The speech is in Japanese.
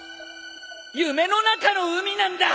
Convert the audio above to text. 夢の中の海なんだ！